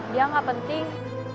dia gak penting